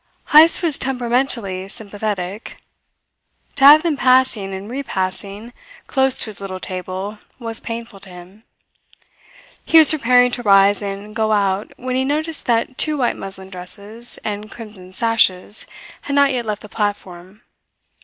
Heyst was temperamentally sympathetic. To have them passing and repassing close to his little table was painful to him. He was preparing to rise and go out when he noticed that two white muslin dresses and crimson sashes had not yet left the platform.